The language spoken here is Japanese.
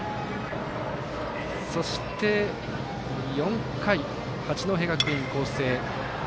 そして、４回、八戸学院光星。